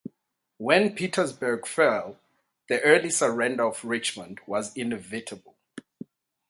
When Petersburg fell, the early surrender of Richmond was inevitable.